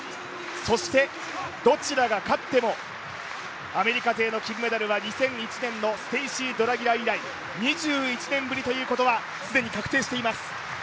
そしてどちらが勝ってもアメリカ勢の金メダルは２００１年のステーシー・ドラギラ以来２１年ぶりということは既に確定しています。